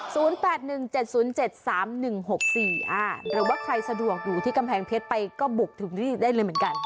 หรือว่าใครสะดวกอยู่ที่กำแพงเพชรไปก็บุกถึงนี่ได้เลยเหมือนกัน